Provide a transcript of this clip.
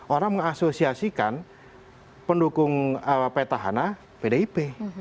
orang mengasosiasikan pendukung petahana pdip